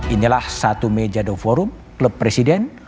inilah satu meja the forum klub presiden